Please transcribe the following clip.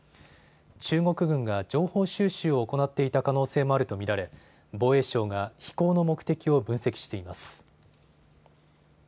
中国軍が情報収集を行っていた可能性もあると見られ防衛省が飛行の目的を分析しています。